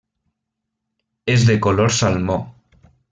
És de color salmó.